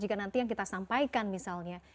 jika nanti yang kita sampaikan misalnya